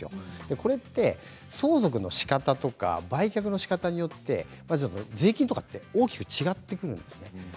これって相続のしかたや売却のしかたによって税金は大きく違ってくるんですね。